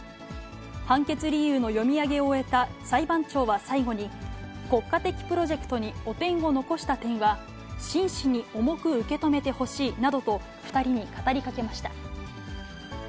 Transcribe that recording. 判決理由の読み上げを終えた裁判長は最後に、国家的プロジェクトに汚点を残した点は、真摯に重く受け止めてほしいなどと２人に語りかけました。